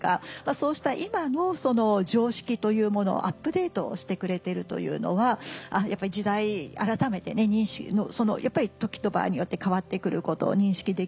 そうした今の常識というものをアップデートしてくれてるというのはやっぱり時代あらためて時と場合によって変わってくることを認識できる。